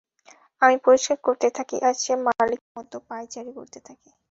আমি পরিষ্কার করতে থাকি, আর সে মালিকের মতো পায়চারি করতে থাকে।